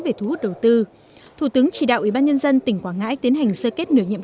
về thu hút đầu tư thủ tướng chỉ đạo ủy ban nhân dân tỉnh quảng ngãi tiến hành sơ kết nửa nhiệm